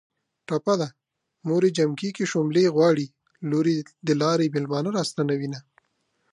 ټپه ده.: موریې جمکی کې شوملې غواړي ــــ لوریې د لارې مېلمانه را ستنوینه